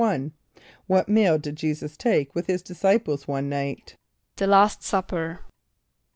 =1.= What meal did J[=e]´[s+]us take with his disciples one night? =The last supper.